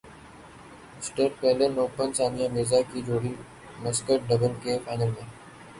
سٹریلین open Sania Mirza کی جوڑی mixed double کے فائنل میں